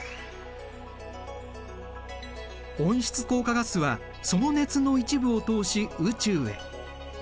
温室効果ガスはその熱の一部を通し宇宙へ。